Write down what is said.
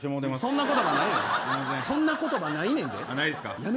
そんな言葉ないねん。